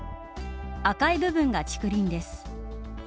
赤い部分が竹林です。